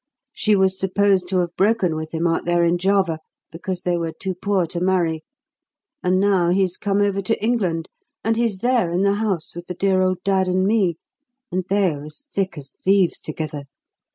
She was supposed to have broken with him out there in Java, because they were too poor to marry; and now he's come over to England, and he's there, in the house with the dear old dad and me, and they are as thick as thieves together.